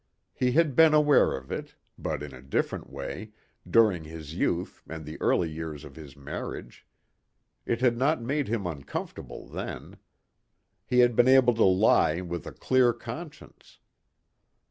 He had been aware of it, but in a different way, during his youth and the early years of his marriage. It had not made him uncomfortable then. He had been able to lie with a clear conscience.